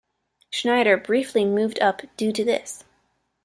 Schnyder briefly moved up due to this.